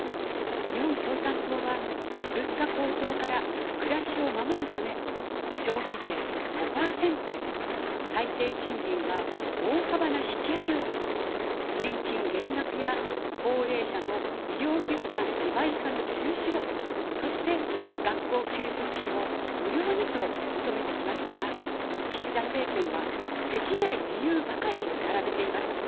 日本共産党は、物価高騰から暮らしを守るため、消費税５％へ、最低賃金は大幅な引き上げを、年金減額や高齢者の医療費負担２倍化の中止を、そして学校給食費を無料にと求めてきましたが、岸田政権はできない理由ばかり並べています。